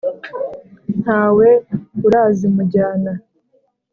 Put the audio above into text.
nta we urazimujyana.